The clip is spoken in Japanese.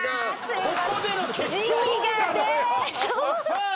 さあ